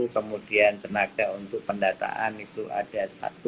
kemudian tenaga untuk pendataan itu ada satu